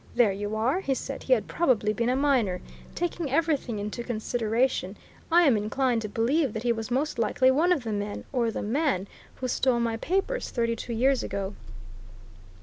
"There you are!" he said. "He had probably been a miner! Taking everything into consideration, I am inclined to believe that he was most likely one of the men, or the man, who stole my papers thirty two years ago."